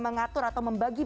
nah ini harus naik